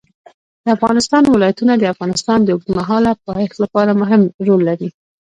د افغانستان ولايتونه د افغانستان د اوږدمهاله پایښت لپاره مهم رول لري.